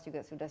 jadi kita harus